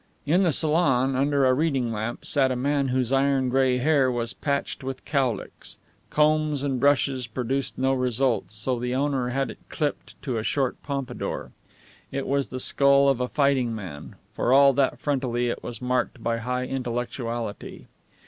In the salon, under a reading lamp, sat a man whose iron gray hair was patched with cowlicks. Combs and brushes produced no results, so the owner had had it clipped to a short pompadour. It was the skull of a fighting man, for all that frontally it was marked by a high intellectuality.